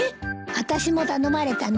あたしも頼まれたの。